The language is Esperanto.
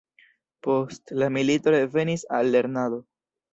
Post la milito revenis al lernado.